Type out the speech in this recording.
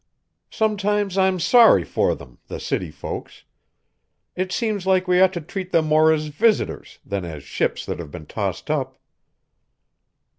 Sometimes I'm sorry for them, the city folks. It seems like we ought to treat them more as visitors, than as ships that have been tossed up."